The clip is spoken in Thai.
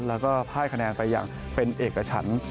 แล้วก็พ่ายคะแนนไปอย่างเป็นเอกฉัน